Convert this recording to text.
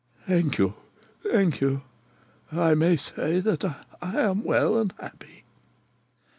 "Thank you, thank you! I may say that I am well and happy."